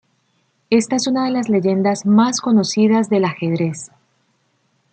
Esta es una de las leyendas más conocidas del ajedrez.